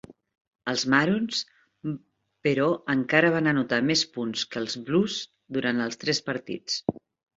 Els Maroons, però, encara van anotar més punts que els Blues durant els tres partits.